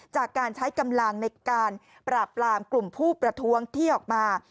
จากการใช้กำลังในการปราบปรามกลุ่มผู้ประท้วงที่ออกมา